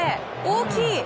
大きい！